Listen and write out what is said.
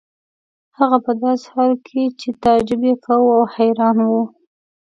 هغه په داسې حال کې چې تعجب یې کاوه او حیران و.